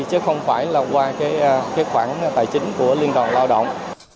chứ không phải là qua cái khoản tài chính của liên đoàn lao động